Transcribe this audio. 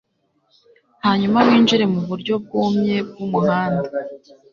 hanyuma winjire muburyo bwumye bwumuhanda